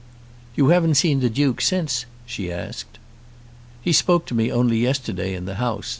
"You haven't seen the Duke since?" she asked. "He spoke to me only yesterday in the House.